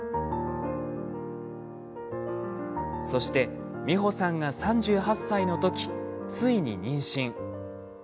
そして、美保さんが３８歳の時ついに妊娠。